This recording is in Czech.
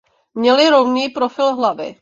Měli rovný profil hlavy.